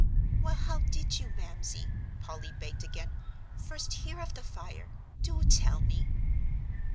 "Well, how did you, Mamsie," Polly begged again, "first hear of the fire? Do tell me."